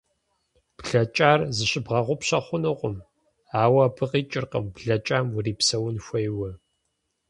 Блэкӏар зыщыбгъэгъупщэ хъунукъым, ауэ абы къикӏыркъым блэкӏам урипсэун хуейуэ.